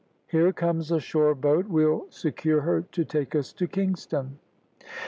Here comes a shore boat we'll secure her to take us to Kingston."